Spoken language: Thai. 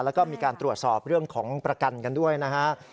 แล้วก็มีการตรวจสอบเรื่องของประกันกันด้วยนะฮะ